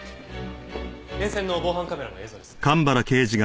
沿線の防犯カメラの映像です。